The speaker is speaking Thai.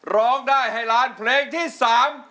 ร้องได้ให้ล้านเพลงที่สาม